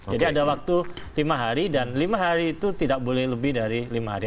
jadi ada waktu lima hari dan lima hari itu tidak boleh lebih dari lima hari